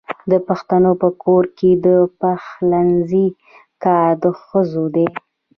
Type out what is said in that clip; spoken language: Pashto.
د پښتنو په کور کې د پخلنځي کار د ښځو دی.